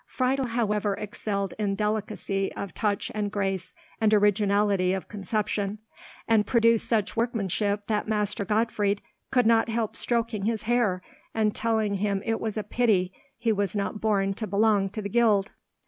Friedel however excelled in delicacy of touch and grace and originality of conception, and produced such workmanship that Master Gottfried could not help stroking his hair and telling him it was a pity he was not born to belong to the guild.